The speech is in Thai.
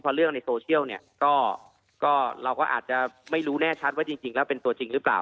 เพราะเรื่องในโซเชียลเนี่ยก็เราก็อาจจะไม่รู้แน่ชัดว่าจริงแล้วเป็นตัวจริงหรือเปล่า